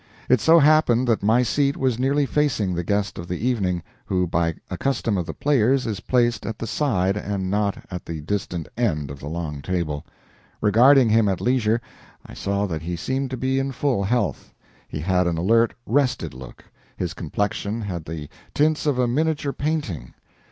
It so happened that my seat was nearly facing the guest of the evening, who by a custom of the Players is placed at the side and not at the distant end of the long table. Regarding him at leisure, I saw that he seemed to be in full health. He had an alert, rested look; his complexion had the tints of a miniature painting.